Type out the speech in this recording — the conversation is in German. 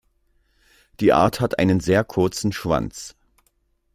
Die Art hat einen sehr kurzen Schwanz.